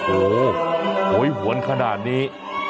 โอ้โหโหยหวนขนาดนี้